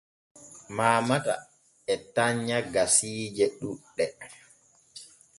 Maamata e tanna gasiije ɗuuɗɗe.